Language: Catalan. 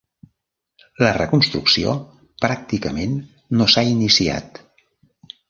La reconstrucció pràcticament no s'ha iniciat.